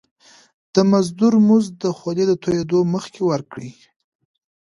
د مزدور مزد د خولي د تويدو مخکي ورکړی.